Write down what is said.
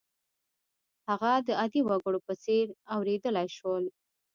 هغه د عادي وګړو په څېر اورېدلای شول.